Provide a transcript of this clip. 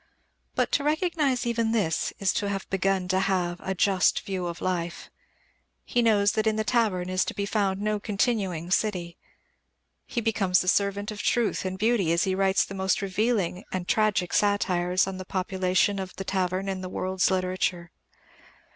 But to recognize even this is to have begun to have a just view of life. He knows that in the tavern is to be found no continuing city. He becomes the servant of truth and beauty as he writes the most revealing and tragic satires on the population of the tavern in the world's literature.